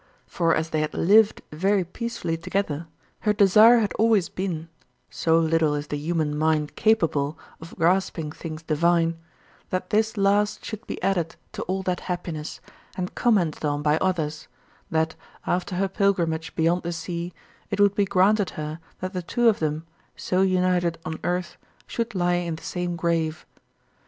For as they had lived very peacefully together, her desire had always been so little is the human mind capable of grasping things divine that this last should be added to all that happiness, and commented on by others: that, after her pilgrimage beyond the sea, it would be granted her that the two of them, so united on earth, should lie in the same grave.